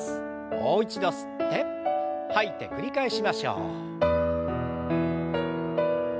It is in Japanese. もう一度吸って吐いて繰り返しましょう。